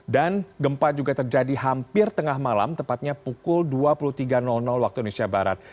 gempa juga terjadi hampir tengah malam tepatnya pukul dua puluh tiga waktu indonesia barat